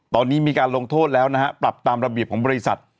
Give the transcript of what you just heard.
ตอนนี้มีการลงโทษแล้วนะฮะปรับตามระเบียบของบริษัท